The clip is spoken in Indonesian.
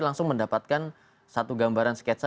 langsung mendapatkan satu gambaran sketsa